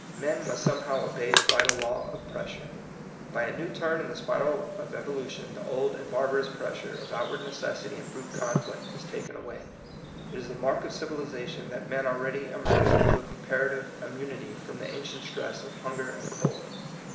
Men must somehow obey the vital law of pressure. By a new turn in the spiral of evolution the old and bar barous pressure of outward necessity and brute conflict is taken away. It is the mark of civilization that men already emerge into a comparative immunity from the ancient stress of hunger and cold.